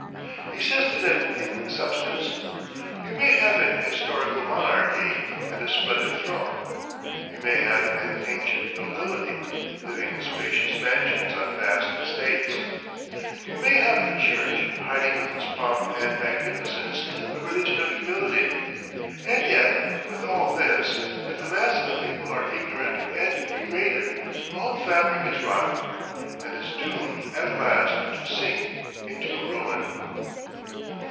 He says to them in substance: You may have an historical monarchy and a splendid throne; you may have an ancient nobility, living in spacious mansions on vast estates; you may have a church hiding with its pomp and magnificence a religion of humility; and yet, with all this, if the mass of the people are ignorant and degraded, the whole fabric is rotten, and is doomed at last to sink into ruin.